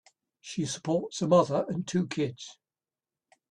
She supports a mother and two kids.